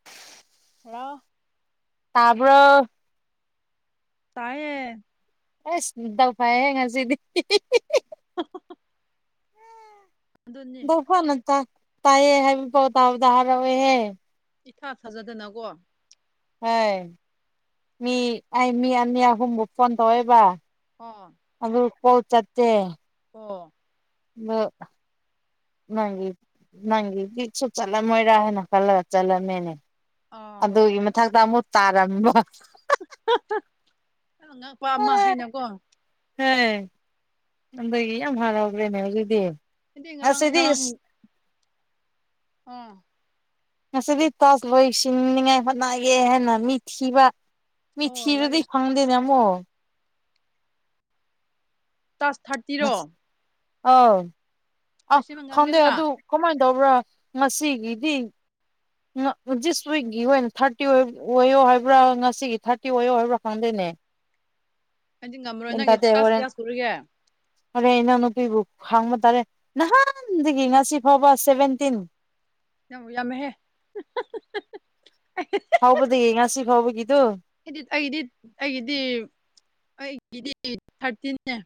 [unintelligible] Hello ꯇꯥꯕꯔꯣ ꯇꯥꯏꯌꯦ ꯑꯁ ꯗꯥꯎꯐꯥꯏꯍꯦ ꯉꯁꯤꯗꯤ [unintelligible] ꯑꯗꯨꯅꯤ ꯚꯧꯐꯅꯥ ꯇꯥꯏ ꯇꯥꯏꯌꯦ ꯍꯥꯏꯕꯗꯣ ꯇꯥꯕꯗꯥ ꯍꯔꯥꯎꯋꯦꯍꯦ ꯏꯊꯥ ꯊꯥꯖꯗꯅꯀꯣ ꯍꯣꯏ ꯃꯤ ꯑꯩ ꯃꯤ ꯑꯅꯤ ꯑꯍꯨꯝꯕꯨ ꯐꯣꯟ ꯇꯧꯋꯦꯕ ꯑꯥ ꯑꯗꯨ ꯀꯣꯜ ꯆꯠꯇꯦ ꯑꯣ ꯃꯥ ꯅꯪꯒꯤ ꯅꯪꯒꯤ ꯀꯤꯛꯁꯨ ꯆꯠꯂꯝꯃꯣꯏꯔꯥ ꯍꯥꯏꯅ ꯈꯜꯂꯒ ꯆꯠꯂꯝꯃꯦꯅꯦ ꯑꯥ ꯑꯗꯨꯒꯤ ꯃꯊꯛꯇ ꯑꯃꯨꯛ ꯇꯥꯔꯝꯕ ꯑꯉꯛꯄ ꯑꯃ ꯍꯥꯏꯅꯀꯣ ꯑꯦ ꯂꯪꯕꯩꯒꯤ ꯌꯥꯝ ꯍꯔꯥꯎꯒꯔꯦꯅꯦ ꯍꯩꯖꯤꯛꯗꯤ ꯍꯥꯏꯗꯤ ꯉꯔꯥꯡ ꯉꯔꯥꯡ ꯑꯥ ꯉꯁꯤꯗꯤ ꯇꯥꯛꯁ ꯂꯣꯏꯁꯤꯟꯅꯤꯉꯥꯏ ꯍꯣꯠꯅꯒꯦ ꯍꯥꯏꯅ ꯃꯤ ꯊꯤꯕ ꯃꯤ ꯑꯣ ꯊꯤꯔꯗꯤ ꯂꯣꯏꯔꯦ ꯐꯪꯗꯦꯅꯦ ꯑꯃꯨꯛ ꯇꯥꯛꯁ ꯊꯥꯔꯇꯤꯔꯣ ꯑꯥꯎ ꯑꯥ ꯂꯣꯏꯁꯤꯟꯕ ꯈꯪꯗꯦ ꯉꯝꯒꯗ꯭ꯔꯥ ꯑꯗꯨ ꯀꯃꯥꯏꯅ ꯇꯧꯕ꯭ꯔꯥ ꯉꯁꯤꯒꯤꯗꯤ ꯉꯥ ꯗꯤꯁ ꯋꯤꯛꯀꯤ ꯑꯣꯏꯅ ꯊꯥꯔꯇꯤ ꯑꯣꯏ ꯑꯣꯏꯌꯣ ꯍꯥꯏꯕ꯭ꯔꯥ ꯉꯁꯤꯒꯤ ꯊꯥꯔꯇꯤ ꯑꯣꯏꯌꯣ ꯍꯥꯏꯕ꯭ꯔꯥ ꯈꯪꯗꯦꯅꯦ ꯑꯩꯗꯤ ꯉꯝꯃꯔꯣꯏ ꯒ꯭ꯌꯥꯟ ꯅꯪꯒꯤ ꯇꯥꯗꯦ ꯇꯥꯛꯁ ꯍꯣꯔꯦꯟ ꯀꯌꯥ ꯁꯨꯔꯒꯦ ꯍꯣꯔꯦꯟ ꯏꯅꯥꯎ ꯅꯨꯨꯄꯤꯕꯨ ꯈꯥꯡꯕ ꯇꯥꯔꯦ ꯅꯍꯥꯟꯗꯒꯤ ꯉꯁꯤ ꯐꯥꯎꯕ ꯁꯚꯦꯟꯇꯤꯟ ꯌꯥꯝꯕꯨ ꯌꯥꯝꯃꯦꯍꯦ ꯐꯥꯎꯕꯗꯒꯤ ꯉꯁꯤ ꯐꯥꯎꯕꯒꯤꯗꯨ ꯍꯥꯏꯗꯤ ꯑꯩꯗꯤ ꯑꯩꯒꯤꯗꯤ ꯑꯩꯒꯤꯗꯤ ꯊꯥꯔꯇꯤꯟ ꯅꯦ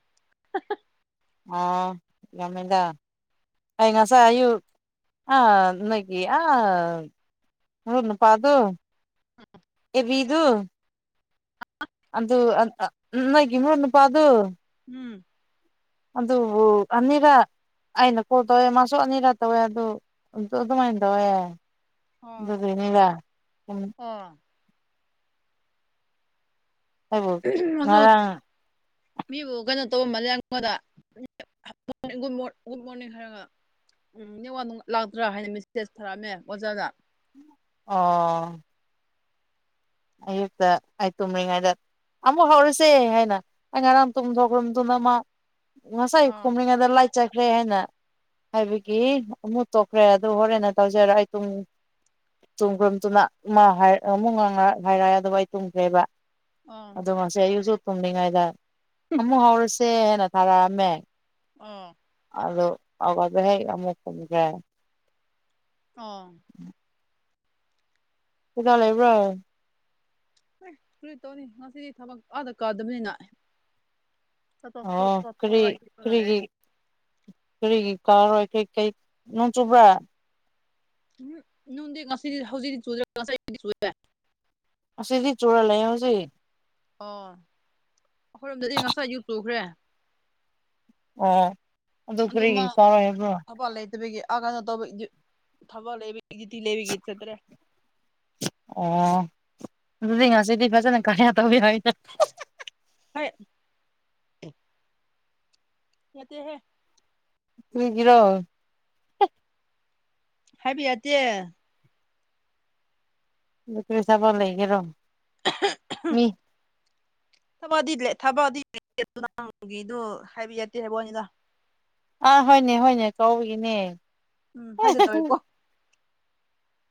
ꯑꯥ ꯌꯃꯃꯦꯗ ꯑꯩ ꯉꯁꯥꯏ ꯑꯌꯨꯛ ꯑꯥ ꯅꯣꯏꯒꯤ ꯑꯥ ꯎ ꯅꯨꯄꯥꯥ ꯗꯨ ꯑꯦꯕꯤꯗꯨ ꯑꯗꯨ ꯅꯒꯤꯃꯣꯅꯄꯥ ꯑꯗꯨ ꯎꯝ ꯑꯗꯨꯕꯨ ꯑꯅꯤꯔꯛ ꯑꯩꯅ ꯀꯣꯜ ꯇꯧꯋꯦ ꯃꯥꯁꯨ ꯑꯅꯤꯔꯛ ꯇꯧꯋꯦ ꯑꯗꯨ ꯑꯗꯨꯃꯥꯏꯅ ꯇꯧꯋꯦ ꯑꯣ [unintelligible] ꯑꯣ ꯑꯩꯕꯨ [unintelligible] ꯉꯔꯥꯡ ꯃꯤꯕꯨ ꯀꯩꯅꯣ ꯇꯧꯕꯃꯜꯂꯦ ꯑꯩꯉꯣꯟꯗ ꯒꯨꯗ ꯃꯣꯔꯅꯤꯡ ꯍꯥꯏꯔꯒ ꯎꯝ ꯅꯤꯡꯋꯥꯛ ꯅꯨꯡ ꯂꯥꯛꯇ꯭ꯔꯥ ꯍꯥꯏꯅ ꯃꯦꯁꯦꯖ ꯊꯥꯔꯛꯑꯝꯃꯦ ꯑꯣꯖꯥꯗ ꯑꯣ ꯑꯩꯌꯨꯛꯇ ꯑꯩ ꯇꯨꯝꯃꯤꯉꯥꯏꯗ ꯑꯃꯨꯛ ꯍꯧꯔꯥꯁꯦ ꯍꯥꯏꯅ ꯑꯩ ꯉꯔꯥꯡ ꯇꯨꯝꯊꯣꯛꯔꯨꯝꯗꯨꯅ ꯃꯥ ꯉꯁꯥꯏ ꯑꯥ ꯈꯨꯝꯂꯤꯉꯩꯗꯥꯏ ꯆꯠꯈ꯭ꯔꯦ ꯍꯥꯏꯅ ꯍꯥꯏꯕꯒꯤ ꯑꯃꯨꯛ ꯇꯣꯛꯈ꯭ꯔꯦ ꯑꯗꯨ ꯍꯣꯔꯦꯟꯟꯅ ꯇꯧꯖꯔꯛ ꯑꯩ ꯇꯨꯡ [unintelligible] ꯍꯥꯏꯔꯛꯑꯦ ꯑꯗꯨꯕꯨ ꯑꯩ ꯇꯨꯝꯈ꯭ꯔꯦꯕ ꯑꯥ ꯑꯗꯣ ꯉꯁꯤ ꯑꯌꯨꯁꯨ ꯇꯨꯝꯂꯤꯉꯩꯗ ꯑꯃꯨꯛ ꯍꯧꯔꯁꯤ꯫ ꯇꯦꯅ ꯊꯔꯥꯛ ꯑꯝꯃ‌ꯦ꯫ ꯑꯥ꯫ ꯑꯗꯣ ꯑꯋꯥꯗ ꯍꯦꯛ ꯑꯃꯨꯛ ꯇꯨꯝꯒ꯭ꯔꯦ꯫ ꯑꯥ꯫ ꯫ ꯗꯥꯥ ꯂꯩꯕ꯭ꯔꯣ꯫ ꯑꯦ ꯀꯨꯔꯤ ꯇꯧꯅꯤ ꯉꯁꯤꯗꯤ ꯊꯕꯛ ꯑꯥꯗ ꯀꯥꯗꯕꯅꯤꯅ꯫ ꯇ ꯆꯠ ꯑꯣ ꯇꯠꯄꯔꯣ ꯀꯔꯤ ꯍꯥꯏꯒꯦ꯫ ꯀꯔꯤꯒꯤ ꯀꯔꯤꯒꯤ ꯀꯥꯔꯣꯏ ꯀꯔꯤ ꯀꯩ ꯅꯣꯡ ꯆꯨꯕ꯭ꯔꯥ ꯎꯝ ꯅꯨꯡꯗꯤ ꯉꯁꯤꯗꯤ ꯍꯧꯖꯤꯛꯗꯤ ꯆꯨꯗꯦ ꯉꯥꯏꯗꯤ ꯆꯨꯌꯦ ꯑꯁꯤꯗꯤ ꯆꯨꯔꯥꯂꯩꯌꯦ ꯍꯧꯖꯤꯛꯀꯤ ꯑꯣ ꯑꯩꯈꯣꯏꯔꯣꯝꯗꯗꯤ ꯉꯁꯥꯏ ꯑꯌꯨꯛ ꯆꯨꯈ꯭ꯔꯦ ꯑꯣ ꯑꯗꯨ ꯀꯔꯤꯒꯤ ꯀꯥꯔꯣꯏ ꯍꯥꯏꯕ꯭ꯔꯣ ꯊꯕꯛ ꯂꯩꯇꯕꯤꯒꯤ ꯑꯥ ꯀꯩꯅꯣ ꯇꯧꯕ ꯊꯕꯜ ꯂꯩꯕꯒꯤ ꯖꯤꯇꯤ ꯂꯩꯕꯤꯒꯤ ꯆꯠꯇ꯭ꯔꯦ ꯑꯣ ꯑꯗꯨꯗꯤ ꯉꯁꯤꯗꯤ ꯐꯖꯅ ꯀꯔꯤꯌꯥ ꯇꯧꯕꯤꯌꯣ ꯍꯥꯏꯅ ꯍꯣꯏ ꯌꯥꯗꯦ ꯃꯤꯒꯤꯔꯣ꯫ ꯍꯥꯏꯕ ꯌꯥꯗꯦ꯫ ꯂꯀ꯭ꯔꯤ ꯁꯥꯕ ꯂꯩꯒꯦꯔꯣ ꯃꯤ꯫ ꯊꯕꯛꯗꯤ ꯊꯕꯛꯗꯤ ꯑꯗꯨ ꯅꯪꯒꯤꯗꯨ ꯍꯥꯏꯕꯤ ꯌꯥꯠꯇꯦ ꯍꯥꯏꯕꯅꯤꯗ꯫ ꯑꯥ ꯍꯣꯏꯅꯦ ꯍꯣꯏꯅꯦ ꯀꯧꯕꯒꯤꯅꯦ꯫ ꯎꯝ ꯍꯥꯏꯗꯣ ꯇꯧꯋꯦꯀꯣ꯫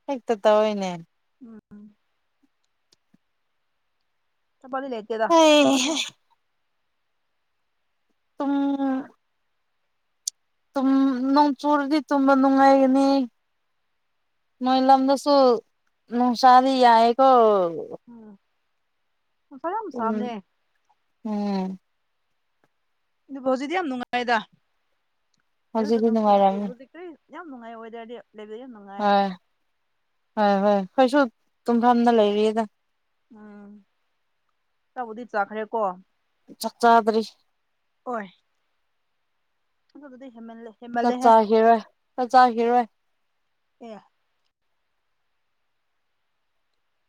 ꯍ‌ꯦꯛꯇ ꯇꯧꯑꯦꯅꯦ꯫ ꯎꯝ꯫ ꯆꯄꯥꯅꯤ ꯂꯩꯇ‌ꯦꯗ ꯇꯨꯡꯒꯅꯨ꯫ ꯍꯩꯍꯥ ꯎꯝ꯫ ꯨꯗꯨꯝ ꯅꯣꯡ ꯆꯨꯔꯗꯤ ꯇꯨꯝꯕ ꯅꯨꯡꯉꯥꯏꯒꯅꯤ꯫ ꯃꯣꯏ ꯂꯝꯗꯁꯨ ꯅꫭꯡꯁꯥꯥꯗꯤ ꯌꯥꯏꯌ‌ꯦꯀꫭ꯫ ꯎꯝ꯫ ꯅꯨꯡꯁꯥ ꯌꯥꯝ ꯁꯥꯕꯅꯦ ꯎꯝ ꯎꯝ꯫ ꯑꯗꯨꯕꯨ ꯍꯧꯖꯤꯛꯗꯤ ꯌꯥꯝ ꯅꯨꯡꯉꯥꯏꯌ‌ꯦꯗ ꯑꯗꯨꯗ ꯍꯧꯖꯤꯛꯇꯤ ꯅꫭꯡ ꯆꯨꯕꯒꯤ ꯅꯨꯡꯉꯥꯏꯔꯝꯅꯤ ꯍꯧꯖꯤꯛꯇ꯭ꯔꯤ꯫ ꯌꯥꯝ ꯅꯨꯡꯉꯥꯏ ꯋ‌ꯦꯗꯔꯗꯤ꯫ ꯂꯩꯕ ꯌꯥꯝꯅ ꯅꯨꯡꯉꯥꯏ꯫ ꯍꯣꯏ ꯍꯣꯏ ꯍꯣꯏ ꯈꯏꯏꯁꯨ ꯇꯨꯝꯐꯝꯗ ꯂꯩꯔꯤꯌꯦꯗ꯫ ꯎꯝ ꯇꯕꯨꯗꯤ ꯆꯥꯈ꯭ꯔꯦ ꯀꯣ꯫ ꯆꯥꯛ ꯆꯥꯗ꯭ꯔꯤ꯫ ꯑꯣꯏ꯫ ꯑꯗꯨꯕꯨꯗꯤ ꯍꯦꯃꯜꯂꯦ꯫ ꯆꯥꯛ ꯆꯥꯒ‌ꯦꯔ ꯆꯥꯛ ꯆꯥꯒꯤꯔꯣꯏ꯫ ꯑꯦ꯫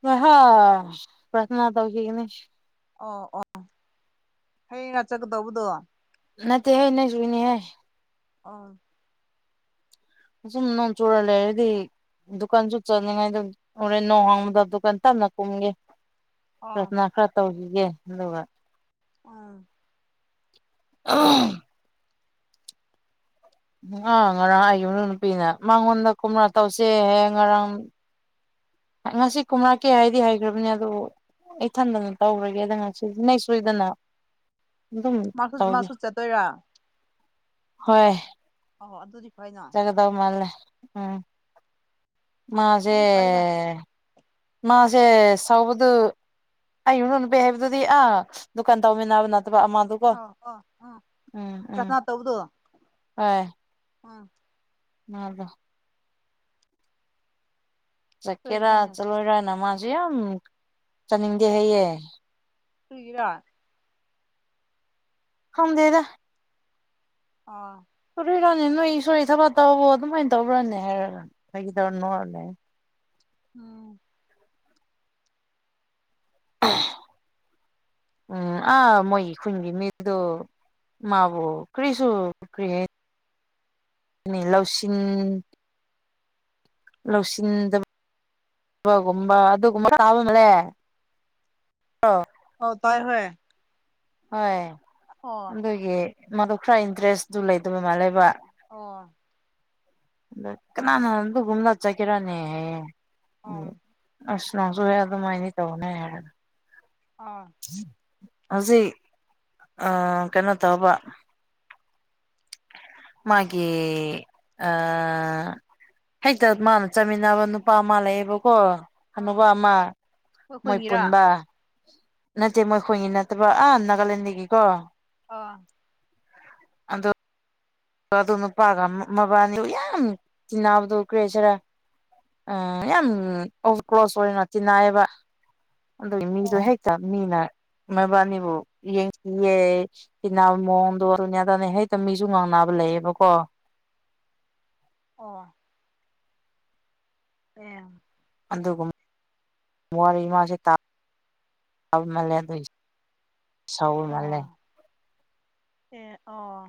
ꯍꯥ ꯍꯥ ꯄ꯭ꯔꯥꯊꯅ ꯇꯧꯈꯤꯒꯅꯤ꯫ ꯑꯣ ꯑꯣ ꯍꯌꯦꯡ ꯑꯥ ꯆꯠꯀꯗꯧꯕꯗꯨ꯫ ꯅꯠꯇ ꯍꯦ ꯅꫭꯏꯁꯨꯨꯅꯤ ꯍ‌ꯦ꯫ ꯑꯥ꯫ ꯑꯁꯨꯝ ꯅꯣꯡ ꯆꯨꯔ ꯂꯩꯔꯗꯤ꯫ ꯗꯨꯀꯥꯟꯁꯨ ꯆꯠꯅꯤꯡꯉꯥꯏꯗ ꯍꯣꯔꯦꯟ ꯅꯣꯡ ꯍꯥꯡꯕꯗ ꯗꯨꯀꯥꯟ ꯇꯞꯅ ꯀꯨꯝꯒꯦ꯫ ꯑꯣ ꯄ꯭ꯔꯊꯅꯥ ꯈꯔ ꯇꯧꯈꯤꯒꯦ ꯑꯗꯨꯒ꯫ ꯑꯥ ꯑꯥ ꯑꯥ ꯉꯔꯥꯡ ꯑꯩ ꯌꯨꯝꯗ ꯅꯨꯄꯤꯅ ꯃꯉꯣꯟꯗ ꯈꯨꯃꯅ ꯇꯧꯁꯦꯍꯦ ꯉꯔꯥꯡ ꯉꯁꯤ ꯀꯝꯔꯛꯀꯦ ꯍꯥꯏꯗꯤ ꯍꯥꯏꯈ꯭ꯔꯕꯅꯦ ꯑꯗꯣ ꯑꯩꯊꯟꯗꯅ ꯇꯧꯔꯒꯦ ꯑꯗ ꯉꯁꯤ ꯅ ꯁꯣꯏꯗꯅ ꯃꯥꯁꯨ ꯃꯥꯁꯨ ꯆꯠꯠꯇꯣꯏꯔꯥ ꯍꯣꯏ ꯑꯣ ꯑꯗꯨꯗꯤ ꯐꯅꯣ ꯗ ꯃꯥꯂꯦ ꯎꯝ ꯃꯥꯁꯦ ꯑꯗꯨꯗꯤ ꯐꯩꯗ ꯃꯥꯁꯦ ꯁꯥꯎꯕꯗꯨ ꯑꯩꯌꯨ ꯅ ꯅꯨ ꯄ ꯍꯥꯏꯕꯗꯨꯗꯤ ꯑꯥ ꯗꯨꯀꯥꯟ ꯇꯧꯃꯤꯟꯅꯕ ꯅꯠꯇꯕ ꯑꯃꯗꯨ꯫ ꯑꯧ ꯑꯧ ꯎꯝ ꯀꯅꯥ ꯇꯧꯕꯗꯣ ꯎꯝ꯫ ꯅꯗ‌ꯦ꯫ ꯆꯠꯀꯦꯔꯥ ꯀꯔꯤꯒꯤꯔꯅꯦ ꯆꯠꯂꯣꯏꯔꯅ ꯃꯥꯁꯨ ꯌꯥꯝ ꯆꯠꯅꯤꯡꯗꯦ ꯍꯩꯌꯦ꯫ ꯍꯨꯏꯒꯤꯔ꯫ ꯐꯝꯗ‌ꯦꯗ꯫ ꯑꯥ꯫ ꯁꯨꯔꯅꯤ ꯅꯣꯏ ꯏꯁꯣꯔ ꯊꯕꯛ ꯇꯧꯕ ꯑꯗꯨꯃꯥꯏꯅ ꯇꯧꯕ꯭ꯔꯅꯦ ꯍꯥꯏꯔ ꯍꯥꯏꯒꯗꯧꯅꯣꯅꯦ꯫ ꯎꯝ꯫ ꯎꯝ ꯑꯥ ꯃꯣꯏꯒꯤ ꯈꯨꯟꯒꯤ ꯃꯤꯗꫭ꯫ ꯃꯥꯕꯨ ꯀꯔꯤꯁꯨ ꯀꯔꯤ ꯂꯧꯁꯤꯡ ꯂꯧꯁꯤꯟꯗꯕꯕꯒꯨꯝꯕ ꯑꯗꯨꯒꯨꯝꯕ ꯂꯕ ꯑꯃꯂꯦ ꯑꯥ ꯑꯣ ꯇꯥꯏ ꯍꯌꯦ ꯍꯣꯏ ꯑꯗꯨꯒꯤ ꯃꯗꯨ ꯈꯔ ꯏꯟꯇꯔꯦꯁꯇ ꯂꯩꯗꯕ ꯃꯥꯜꯂꯕ ꯑꯣ ꯀꯅꯥꯅ ꯑꯣ ꯑꯗꯨꯒꯒꯨꯝꯗꯠ ꯆꯠꯈꯤꯔꯅꯦꯍꯦ ꯎ ꯑꯣ ꯑꯁ ꯅꯪꯁꯨ ꯍꯦ ꯑꯗꯨꯃꯥꯏꯅ ꯇꯧꯅꯦ ꯍꯥꯏꯅ ꯑꯥ ꯍꯧꯖꯤꯛ ꯑ ꯀꯩꯅꯣ ꯇꯧꯕ ꯃꯥꯒꯤ ꯍꯦꯛꯇ ꯃꯥꯅ ꯆꯥꯃꯤꯟꯅꯕ ꯅꯨꯄꯥ ꯑꯃ ꯂꯩꯌꯦꯕꯀꯣ ꯑꯥ ꯑꯅꯨꯧꯕ ꯑꯃ ꯑꯩꯈꯣꯏ ꯃꯣꯏ ꯈꯨꯟꯒꯤꯔꯥ ꯄꯨꯟꯕ ꯅꯠꯇꯦ ꯃꯣꯏ ꯈꯣꯏꯉꯤ ꯅꯠꯇꯕ ꯑꯥ ꯅꯥꯒꯥꯂꯦꯟꯗꯒꯤꯀꯣ ꯑ ꯑꯗꯣ ꯗꯣ ꯅꯨꯄꯥꯒ ꯃꯕꯥꯅꯤ ꯌꯥꯝ ꯆꯤꯕꯗ ꯎꯈ꯭ꯔꯦꯁꯤꯔ ꯑ ꯌꯥꯝ ꯑꯣꯕ ꯀ꯭ꯂꯣꯁ ꯑꯣꯏꯅ ꯑꯣꯏꯅꯣ ꯇꯤꯟꯅꯥꯏꯕ ꯑꯗꯨꯒꯤ ꯃꯤꯁꯨ ꯑꯣ ꯍꯦꯛ ꯆꯃꯤꯅ ꯃꯣꯏꯕꯥꯅꯤꯕꯨ ꯌꯦꯡꯁꯤꯌꯦ ꯏꯅꯥ ꯃꯑꯣꯡꯗ ꯑꯣꯏꯔꯅꯦꯗꯅꯦ ꯍꯩꯛꯇ ꯃꯤꯁꯨ ꯉꯥꯡꯅꯕ ꯂꯩꯌꯦꯕ ꯀꯣ ꯑꯣ ꯑꯦ ꯑꯗꯨꯒꯨꯝ ꯋꯥꯔꯤ ꯃꯥꯥꯁꯦ ꯇꯥꯕꯜꯂꯦ ꯑꯗꯨ ꯑꯣ ꯑꯦ ꯑꯣ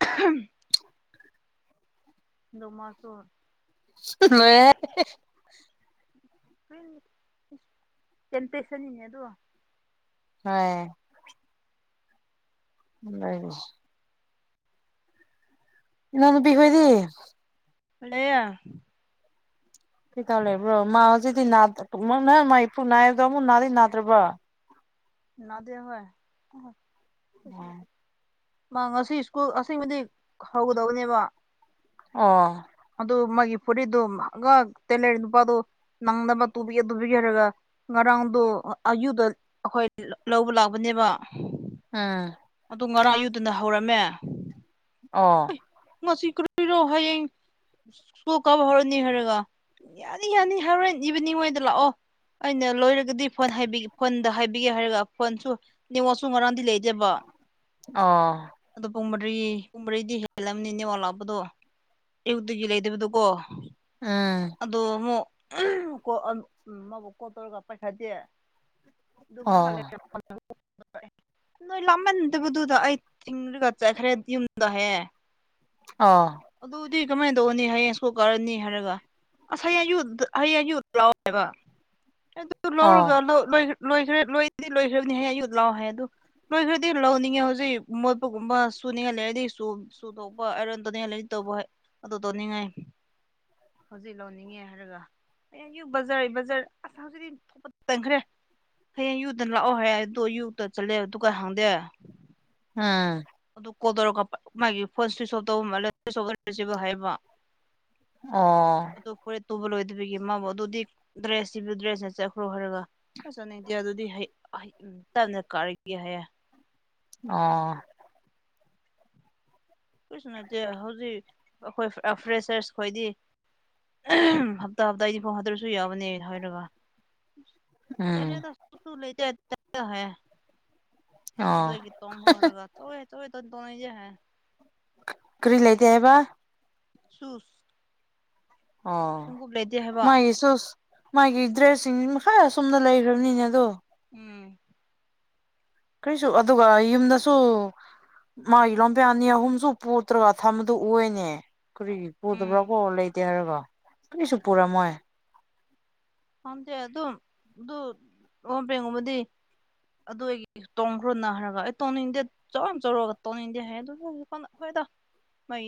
ꯎ ꯗ ꯃꯥꯁꯨꯨꯔ ꯃꯣꯏ ꯀꯦꯝꯇꯦꯁꯅꯤꯅꯦ ꯑꯗꯣ ꯍ ꯎ ꯂꯩ ꯏꯅꯣꯅ ꯄꯤꯒ ꯑꯣꯏꯣꯏꯗꯤ ꯍ꯭ꯂꯌꯥ ꯀꯩꯇꯥꯎ ꯂꯩꯕ꯭ꯔꯣ ꯃꯥ ꯍꯧꯖꯤꯗꯤ ꯅꯪ ꯃꯥꯥꯏ ꯄꯨꯛ ꯅꯥꯏꯕꯗꯣ ꯑꯃꯨꯛ ꯅꯥꯩ ꯅꯥꯗ꯭ꯔꯕ꯭ꯔꯣ ꯅꯗꯋꯥ ꯃꯥ ꯉꯁꯤ ꯁ꯭ꯀꯨꯜ ꯑꯁꯦꯡꯕꯗꯤꯛ ꯍꯧꯒꯗꯧꯕꯅꯦꯕ ꯑꯣ ꯑꯗꯨ ꯃꯥꯒꯤ ꯐꯨꯔꯤꯠꯇꯣ ꯇꯦ ꯂꯩꯔ ꯅꯨꯄꯥꯗꯣ ꯅꯪꯗ ꯑꯃ ꯇꯒꯦ ꯇꯨꯕꯤꯒꯦꯔꯒ ꯉꯔꯥꯡꯗꯣ ꯑꯌꯨꯗ ꯑꯩꯈꯣꯏ ꯂꯧꯕ ꯂꯥꯛꯄꯅꯦꯕ ꯑꯥ ꯑꯗꯨ ꯉꯔꯥꯡ ꯌꯨꯗꯨꯅ ꯍꯧꯔꯝꯃꯦ ꯑꯣ ꯉꯁꯤ ꯀꯨꯔꯣ ꯍꯌꯦꯡ ꯁꯣꯛ ꯀꯥꯕ ꯍꯧꯔꯛꯅꯤ ꯍꯥꯏꯔꯒ ꯌꯥꯅꯤ ꯌꯥꯅꯤ ꯍꯥꯏꯔꯣꯏꯟ ꯏꯕꯅꯤꯉꯣꯏꯗ ꯂꯥꯛꯑꯣ ꯑꯩꯅ ꯂꯣꯏꯔꯒꯗꯤ ꯐꯣꯟ ꯐꯣꯟꯗ ꯍꯥꯏꯕꯤꯒꯦ ꯍꯥꯏꯔꯒ ꯐꯣꯟꯁꯨ ꯅꯤꯡꯉꯣꯁꯨ ꯉꯥꯡꯗꯤ ꯂꯩꯖꯕ ꯑ ꯑꯗꯣ ꯄꯨꯡ ꯃꯔꯤ ꯄꯨꯡ ꯃꯔꯤꯗꯤ ꯍꯦꯜꯂꯝꯕꯅꯤꯅꯦ ꯑꯣ ꯂꯥꯛꯄꯗꯣ ꯑꯌꯨꯛꯇꯒꯤ ꯂꯩꯗꯕꯗꯨꯀꯣ ꯎꯝ ꯑꯗꯨ ꯑꯃꯨꯛ ꯃꯕꯨ ꯀꯣ ꯇꯧꯔꯒ ꯄꯥꯏꯈꯠꯠꯇꯦ ꯉ ꯍ ꯑꯣ ꯅꯣꯏ ꯂꯥꯛꯃꯟꯗꯕꯗꯨꯗ ꯑꯩ ꯊꯤꯡꯔꯒ ꯆꯠꯈ꯭ꯔꯦ ꯌꯨꯝꯗꯣ ꯍꯌꯦ ꯑ ꯑꯗꯨꯗꯤ ꯀꯃꯥꯏꯅ ꯇꯧꯅꯤ ꯍꯌꯦꯡꯁꯀꯣ ꯀꯥꯔꯅꯤ ꯍꯥꯏꯔꯒ ꯑꯁ ꯍꯌꯦ ꯑꯡꯌꯨꯠ ꯍꯌꯦ ꯑꯌꯨꯠ ꯂꯧꯥꯎꯋꯦꯕ ꯑꯗꯨ ꯂꯧꯔꯒ ꯑꯣ ꯂꯣꯏ ꯂꯣꯏꯈ꯭ꯔ ꯂꯣꯏꯗꯤ ꯂꯣꯏꯈ꯭ꯔꯕꯅꯤ ꯍꯥꯏꯌꯦ ꯑꯩꯌꯨꯠ ꯂꯥꯛꯑꯣ ꯍꯥꯏ ꯑꯗꯨꯣ ꯂꯣꯏꯈ꯭ꯔꯗꯤ ꯂꯧꯅꯤꯡꯉꯦ ꯍꯧꯖꯤꯛ ꯃꯣꯠꯄꯒꯨꯝꯕ ꯁꯨꯅꯤꯡꯉꯥꯏ ꯂꯩꯔꯗꯤ ꯁ ꯁꯨ ꯊꯣꯛꯣꯛꯄ ꯑꯥꯏꯔꯟ ꯇꯧꯅꯤꯡꯉꯥꯏ ꯂꯩꯔꯗꯤ ꯇ ꯑꯗꯨ ꯇꯧꯅꯤꯡꯉꯥꯏ ꯍꯧꯖꯤꯛ ꯂꯧꯅꯤꯡꯉꯦ ꯍꯥꯏꯔꯒ ꯑꯩꯡꯌꯛ ꯕꯖꯥꯔ ꯕꯖꯥꯔ ꯑꯁ ꯍꯧꯖꯤꯛꯇꯤ ꯊꯣꯛꯄ ꯇꯟꯈ꯭ꯔꯦ ꯍꯌꯦꯡ ꯌꯨꯗꯅ ꯂꯥꯛꯑꯣ ꯍꯥꯏ ꯑꯗꯨꯣ ꯌꯨꯗ ꯆꯠꯂꯦ ꯑꯗꯨꯒ ꯍꯪꯗꯦ ꯎꯝ ꯑꯗꯨ ꯀꯣꯜꯗꯧꯔꯒ ꯃꯥꯒꯤ ꯐꯣꯟ ꯁ꯭ꯋꯤꯁ ꯑꯣꯐ ꯇꯧꯕ ꯃꯥꯜꯂ ꯦ ꯅ ꯣꯠ ꯔꯤ ꯆꯤꯕꯟ ꯍꯥꯏꯌ ꯦꯕ ꯑꯣ ꯑꯣ ꯐꯣꯔꯤꯠ ꯇꯨꯕ ꯂꯣꯏꯗꯔꯤꯌ ꯦ ꯃꯥꯕꯨ ꯑꯗꯨꯗꯤ ꯗ꯭ꯔꯦꯁꯁꯤꯗ ꯗ꯭ꯔꯦꯁꯅ ꯆꯠꯈ꯭ꯔꯣ ꯍꯥꯏꯔꯒ ꯐꯁꯨꯅꯦꯗꯤ ꯑꯗꯨꯗꯤ ꯇꯟꯅ ꯀꯥꯔꯒꯦ ꯍꯥꯏꯌꯦ ꯑꯣ ꯀꯔꯤꯁꯨ ꯅꯠꯇꯦ ꯍꯧꯖꯤꯛ ꯑꯩꯈꯣꯏ ꯐ꯭ꯔꯦꯁꯔꯁ ꯈꯣꯏꯗꯤ ꯑꯍꯜ ꯍꯞꯇꯥꯗꯤꯐꯥꯎ ꯍꯥꯗ꯭ꯔꯁꯨ ꯌꯥꯕꯅꯦ ꯍꯥꯏꯔꯒ ꯎꯝ ꯆꯗ ꯆꯨꯁꯨ ꯂꯩꯇ ꯆ ꯍꯥꯏ ꯑꯣ ꯗꯒꯤ ꯇꯣꯡ꯭ꯔꯣ ꯍꯔꯒ ꯇꯣꯛꯑꯦ ꯇꯣꯛꯑꯦ ꯇ ꯣꯛꯑꯦꯗꯤ ꯍꯥꯏꯦ ꯀꯔꯤ ꯂꯩꯇꯦ ꯍꯥꯏꯕ ꯆꯨꯁ ꯑꯣ ꯂꯩꯇꯦ ꯍꯥꯏꯕ ꯃꯥ ꯆꯨꯁꯨ ꯃꯥꯒꯤ ꯗ꯭ꯔꯦꯁꯁꯤꯡꯁꯤ ꯃꯈꯥ ꯑꯁꯣꯨꯝꯗ ꯂꯩꯈ꯭ꯔꯕꯅꯤꯅꯦ ꯑꯗꯣ ꯎꯝ ꯀꯩꯁꯨ ꯑꯗꯨꯒ ꯌꯨꯝꯗꯁꯨ ꯃꯥꯒꯤ ꯂꯣꯡꯄꯦꯟ ꯑꯅꯤ ꯑꯍꯨꯝꯁꯨ ꯄꯣꯠꯇ꯭ꯔꯒ ꯊꯝꯕꯗꯨ ꯎꯌꯦꯅꯦ ꯀꯔꯤ ꯄꯨꯗꯕ꯭ꯔꯣ ꯎꯝ ꯀꯣ ꯂꯩꯇꯦ ꯍꯥꯏꯔꯒꯣ ꯀꯔꯤꯁꯨ ꯄꯨꯔꯝꯃꯣꯏ ꯄꯝꯗꯦ ꯑꯗꯨꯝ ꯑꯗꯨ ꯂꯩ ꯣꯡꯄꯦꯟꯒꯨꯝꯕꯗꯤ ꯑꯗꯨ ꯑꯩꯒꯤ ꯇꯣꯡꯈ꯭ꯔꯣꯅ ꯍꯥꯏꯔꯒ ꯑꯩ ꯇꯣꯡꯅꯤꯡꯗꯦ ꯆꯥꯎꯔ ꯆꯧꯔꯨꯔꯒ ꯇꯣꯡꯅꯤꯡꯗꯦ ꯍꯥꯏ ꯑꯗꯨꯕꯨ ꯍ ꯣꯏꯗ ꯃꯣꯏ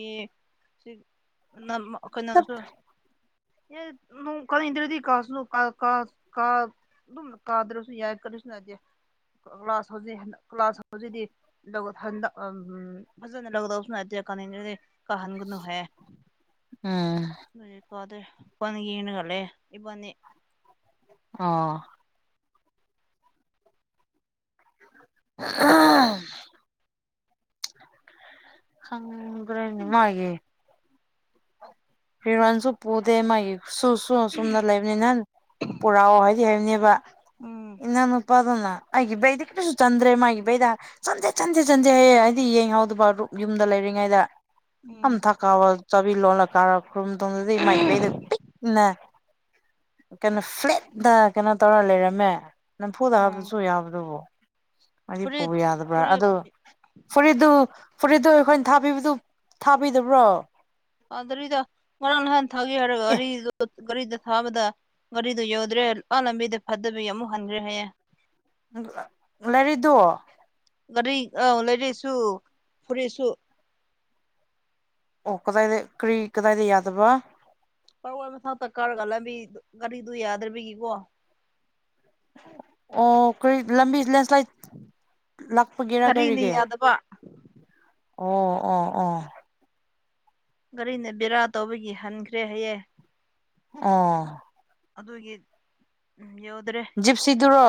ꯆꯠ ꯀꯩꯅꯅꯁꯨ ꯀꯏꯗ꯭ꯔꯗꯤ ꯀꯥꯁ ꯀ ꯀꯥ ꯀꯥ ꯑꯗꯨ ꯀꯥꯗ꯭ꯔꯁꯨ ꯌꯥꯗ ꯀꯔꯤꯁꯨ ꯅꯠꯇꯦ ꯀ꯭ꯂꯥꯁ ꯍꯧꯖꯤꯛ ꯀ꯭ꯂꯥꯁ ꯍꯧꯖꯤꯛꯗꯤ ꯂ ꯊ ꯐꯖꯟ ꯂꯅ ꯍꯠꯇꯌꯥ [inaudible] ꯀꯍꯪꯒꯅꯨꯍ ꯎꯝ ꯍꯧ ꯀꯣꯗꯦ ꯄꯟ ꯌꯦꯟꯒꯂꯦ ꯏꯕꯅꯤ ꯑ ꯎ [unintelligible] ꯈꯪ꯭ꯔꯦ ꯎꯝ ꯅꯤꯡꯃꯒꯤ ꯍꯤꯔꯟꯁꯨ ꯄꯨꯗꯦ ꯃꯥꯒꯤ ꯁꯨ ꯁꯨꯡ ꯑꯁ ꯣꯡꯗ ꯂꯩꯕꯅꯤ ꯅ ꯄꯨꯔꯥꯑꯣ ꯍ ꯍꯥꯏꯕꯅꯦꯕ ꯎꯝ ꯏꯟꯎ ꯅꯨꯄꯥꯒꯨꯅ ꯑꯩꯒꯤ ꯕꯩꯗꯤ ꯀꯔꯤꯁꯨ ꯆꯟꯗ꯭ꯔꯦ ꯃꯥꯒꯤꯕꯩꯗ ꯆꯟꯗꯦ ꯆꯟꯗꯦ ꯍꯥꯏꯌꯦ ꯍꯥꯏꯗꯤ ꯌꯦꯡꯍꯧꯗꯕ ꯌꯨꯝꯗ ꯂꯩꯔꯤꯉꯩꯗ ꯑꯝ ꯊꯀꯥ ꯑꯋꯥ ꯆꯥꯕꯤ ꯂꯣꯂ ꯀꯥꯔꯝ ꯇꯧꯗꯨꯗꯤ ꯃꯥꯏꯒꯤꯕꯩꯇ ꯀꯩꯅꯣ ꯐ꯭ꯂꯦꯠꯇ ꯀꯩꯅꯣ ꯇꯧꯔ ꯂꯩꯔꯝꯃꯦ ꯅꯝꯐꯨꯗ ꯎꯝ ꯍꯥꯕꯁꯨ ꯌꯥꯕꯗꯣ ꯑꯅꯤ ꯐꯨꯔꯤꯠ ꯄꯨꯕ ꯌꯥꯗꯕ꯭ꯔꯥ ꯐꯨꯔꯤꯠ ꯑꯗꯨ ꯐꯨꯔꯤꯠꯇꯨ ꯐꯨꯔꯤꯠꯇꯨ ꯑꯩꯈꯣꯏꯅ ꯊꯕꯤꯕꯥꯗꯨ ꯊꯥꯕꯤꯗꯕ꯭ꯔꯣ ꯊꯥꯗꯔꯤꯗ ꯉꯔꯥꯡ ꯉꯍꯥꯟ ꯊꯒꯦ ꯍꯥꯏꯔꯦꯒ ꯑꯦ ꯑꯔꯤꯗ ꯣ ꯒꯥꯔꯤꯗ ꯊꯥꯕꯗ ꯒꯥꯔꯤꯗꯨ ꯌꯧꯗ꯭ꯔꯦ ꯑ ꯂꯝꯕꯤꯗ ꯐꯠꯇꯕꯤ ꯑꯃꯨꯛ ꯍꯟꯈ꯭ꯔꯦ ꯍꯥꯏꯌꯦ ꯂꯥꯏꯔꯤꯗꯣ ꯒꯥꯔꯤ ꯑ ꯂꯥꯏꯔꯤꯁꯨ ꯐꯨꯔꯤꯁꯨ ꯑꯣ ꯀꯗꯥꯏꯗ ꯀꯔꯤ ꯀꯗꯥꯏꯗ ꯌꯥꯗꯕ ꯄꯔꯋꯥ ꯃꯊꯥꯛꯇ ꯀꯥꯔꯒꯂꯝꯕꯤ ꯒꯥꯔꯤꯗꯨ ꯌꯥꯗ꯭ꯔꯕꯤꯒꯤꯀꯣ ꯑꯣ ꯀꯔꯤ ꯂꯝꯕꯤ ꯂꯦꯟꯁ꯭ꯂꯥꯏꯠ ꯂꯥꯛꯄꯒꯤꯔꯥ ꯀꯔꯤꯒꯤ ꯑꯄꯥ ꯑꯣ ꯑꯣ ꯑꯣ ꯒꯥꯔꯤꯅ ꯕꯦꯔꯥ ꯇꯧꯕꯒꯤ ꯍꯟꯈ꯭ꯔꯦ ꯍꯥꯏꯌꯦ ꯑꯥ ꯑꯗꯨꯒꯤ ꯎꯝ ꯌꯥꯎꯗ꯭ꯔꯦ ꯖꯤꯞꯁꯤꯗꯨꯔꯣ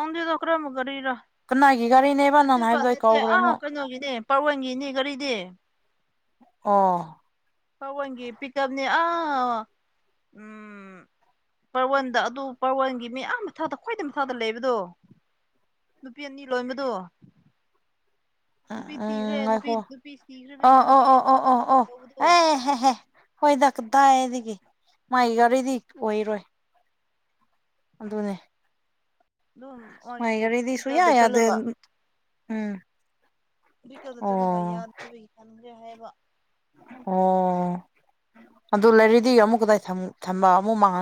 ꯑꯗꯗꯣ ꯈꯔ ꯃꯒꯔꯔꯤꯔ ꯀꯅꯥꯒꯤ ꯒꯥꯔꯤꯅꯦꯕ ꯁꯦ ꯅꯪꯅ ꯄ ꯍꯥꯏꯕꯗꯣ ꯑꯩ ꯀꯥꯎꯈ꯭ꯔꯦ ꯑ ꯑꯃꯨꯛ ꯀꯩꯅꯣꯒꯤꯅꯦ ꯄꯑꯣꯣꯟꯒꯤꯅꯤ ꯒꯥꯔꯤꯗꯤ ꯑꯥ ꯍꯋꯥꯣꯟꯒꯤ ꯄꯤꯛꯞꯅꯦ ꯑꯥ ꯎꯝ ꯄꯔꯋꯥꯟꯗ ꯑꯗꯨ ꯄꯔꯋꯥꯟꯒꯤ ꯃꯤꯌꯥꯝ ꯃꯊꯇ ꯈ꯭ꯋꯥꯏꯩ ꯃꯊꯥꯇ ꯂꯩꯕꯗꯣ ꯅꯨꯄꯤ ꯑꯅꯤ ꯂꯣꯟꯕꯗꯣ ꯎꯝ ꯅꯨꯄꯤ ꯊꯤꯈ꯭ꯔꯦ ꯎꯝ ꯅꯨꯄꯤ ꯉꯥꯏꯈꯣ ꯅꯨꯄꯤ ꯊꯤꯈ꯭ꯔꯕꯒꯤ ꯅꯨꯄꯤ ꯇꯧꯕꯗꯣ ꯍ ꯍ ꯍ ꯍꯣꯏ ꯗꯗꯥꯥꯏꯗꯒꯤ ꯃꯥꯥꯏ ꯒꯥꯔꯤꯗꯤ ꯑꯣꯏꯔꯣꯏ ꯑ ꯇꯅꯦ ꯑꯗꯨꯝ ꯃꯣꯏꯒꯤ ꯃꯥꯏꯒꯔꯤꯗꯤ ꯁꯨꯌꯥ ꯄꯤꯛꯀꯞꯇ ꯌꯥꯗ ꯆꯠꯂꯒ ꯎꯝ ꯔꯤꯀꯜꯗ ꯆꯠꯂꯒ ꯑꯣ ꯌꯥꯗꯕꯒꯤ ꯈꯟꯗ꯭ꯔꯦ ꯍꯥꯏꯕ ꯑꯣ ꯑꯗꯨ ꯂꯩꯔꯗꯤ ꯑꯃꯨꯛ ꯀꯗꯥꯏ ꯊꯝꯕ ꯑꯃꯨꯛ ꯃꯥꯡꯍ